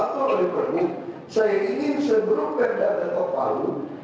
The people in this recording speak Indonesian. dan ekonomi lainnya itu bisa mengadakan